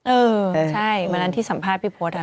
เออใช่วันนั้นที่สัมภาษณ์พี่พศ